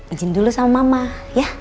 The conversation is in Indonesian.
izin dulu sama mama ya